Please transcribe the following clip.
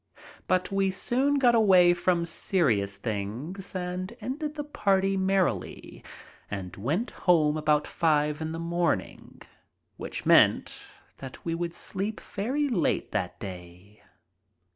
But we soon got away from serious things and ended the party merrily and went home about five in the morning. Which meant that we would sleep very late that day.